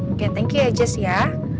oke thank you ya jess ya